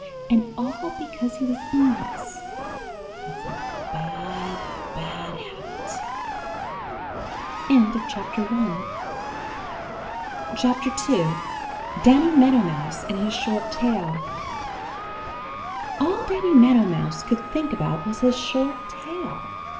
And all because he was envious. It's a bad, bad habit. II DANNY MEADOW MOUSE AND HIS SHORT TAIL ALL Danny Meadow Mouse could think about was his short tail.